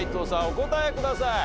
お答えください。